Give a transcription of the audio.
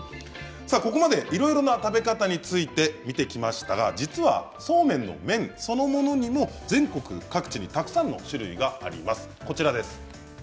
ここまでいろいろな食べ方について見てきましたが実はそうめんの麺そのものにも全国各地にたくさんの種類があります。